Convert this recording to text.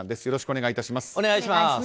よろしくお願いします。